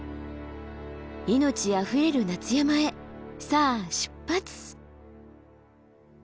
命あふれる夏山へさあ出発！